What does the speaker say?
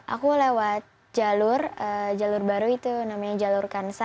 aku lewat jalur jalur baru itu namanya jalur kansa